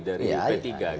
dari p tiga gitu